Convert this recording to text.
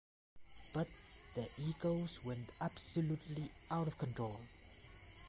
But their egos went absolutely out of control.